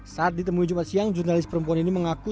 saat ditemui jumat siang jurnalis perempuan ini mengaku